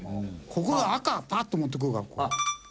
ここ赤パッと持ってくるかこう。